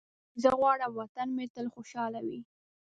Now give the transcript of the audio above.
زه غواړم وطن مې تل خوشحاله وي.